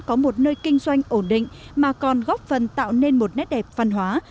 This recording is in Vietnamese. có một nơi kinh doanh ổn định mà còn góp phần tạo nên một nét đẹp văn hóa